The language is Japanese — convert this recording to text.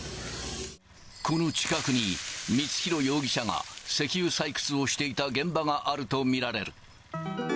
この近くに、光弘容疑者が石油採掘をしていた現場があると見られる。